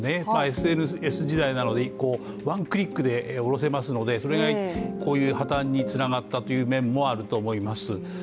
ＳＮＳ時代なのでワンクリックで下ろせますのでそれがこういう破たんにつながったという面もあると思います。